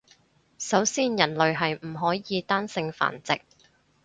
首先人類係唔可以單性繁殖